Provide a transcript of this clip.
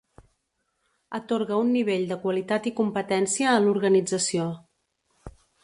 Atorga un nivell de qualitat i competència a l'organització.